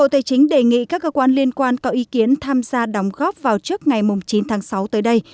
tài chính đề nghị các cơ quan liên quan có ý kiến tham gia đóng góp vào trước ngày chín tháng sáu tới đây